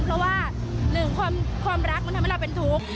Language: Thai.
เพราะว่าหนึ่งความรักมันทำให้เราเป็นทุกข์